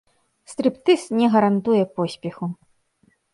Стрыптыз не гарантуе поспеху.